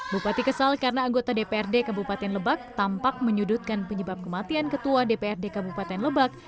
bupati kesal karena anggota dprd kabupaten lebak tampak menyudutkan penyebab kematian ketua dprd kabupaten lebak